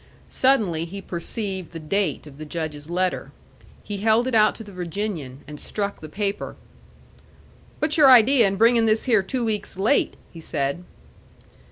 Suddenly he perceived the date of the Judge's letter. He held it out to the Virginian, and struck the paper. "What's your idea in bringing this here two weeks late?" he said.